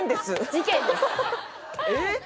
事件ですええ？